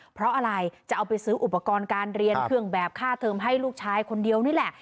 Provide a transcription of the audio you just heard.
เพราะอะไรจะเอาไปซื้ออุปกรณ์การเรียนเครื่องแบบค่าเทิมให้ลูกชายคนเดียวนี่แหละ